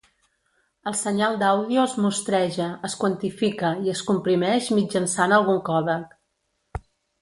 El senyal d'àudio es mostreja, es quantifica i es comprimeix mitjançant algun còdec.